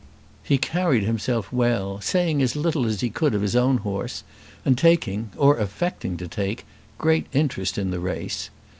He carried himself well, saying as little as he could of his own horse, and taking, or affecting to take, great interest in the race.